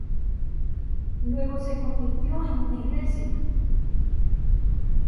Luego se convirtió en una iglesia.